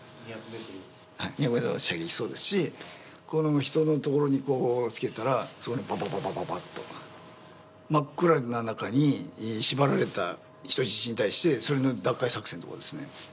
２００メートルの射撃そうですしこの人のところにこうつけたらそこにババババババッと真っ暗ななかに縛られた人質に対してそれの奪回作戦とかですね